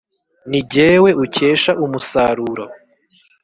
ni jyewe ukesha umusaruro.